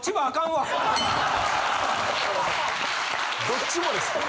どっちもですか？